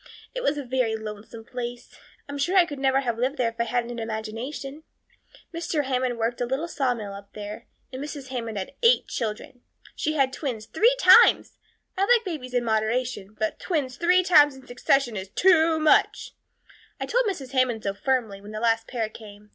It was a very lonesome place. I'm sure I could never have lived there if I hadn't had an imagination. Mr. Hammond worked a little sawmill up there, and Mrs. Hammond had eight children. She had twins three times. I like babies in moderation, but twins three times in succession is too much. I told Mrs. Hammond so firmly, when the last pair came.